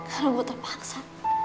kalau gue terpaksa